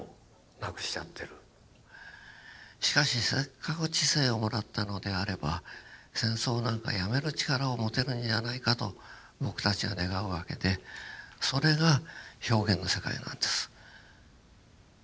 しかしせっかく知性をもらったのであれば戦争なんかやめる力を持てるんじゃないかと僕たちは願うわけでそれが表現の世界なんです。